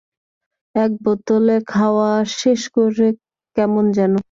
এক বোতলে খাওয়া শেষ করা কেমন যেন।